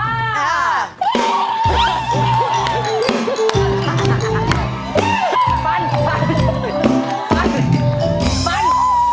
ฟันฟันฟัน